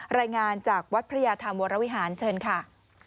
รายงานจากวัดพระยาธรรมวรวิหารเชิญค่ะ